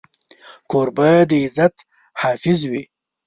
کوربه د عزت حافظ وي.